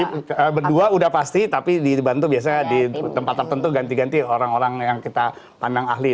berdua udah pasti tapi dibantu biasanya di tempat tertentu ganti ganti orang orang yang kita pandang ahli